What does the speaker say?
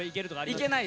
いけない。